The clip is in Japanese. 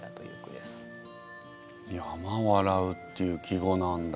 「山笑う」っていう季語なんだ。